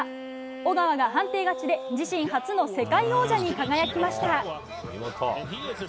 尾川が判定勝ちで自身初の世界王者に輝きました。